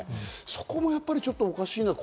そこもやっぱりおかしいなと。